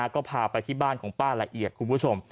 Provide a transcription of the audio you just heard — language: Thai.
ก็พาไปที่บ้านของป้าละเอียดคุณผู้ชม